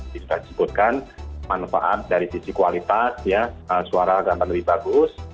kita sebutkan manfaat dari sisi kualitas ya suara gampang lebih bagus